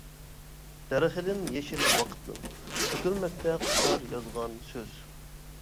دەرىخىدىن يېشىل ۋاقىتنىڭ، تۆكۈلمەكتە قۇشلار يازغان سۆز.